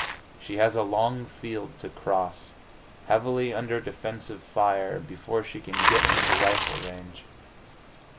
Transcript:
She has a long field to cross, heavily under defensive fire, before she can get into rifle range.